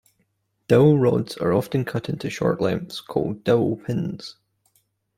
Dowel rods are often cut into short lengths called "dowel pins".